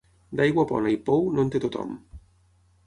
D'aigua bona i pou, no en té tothom.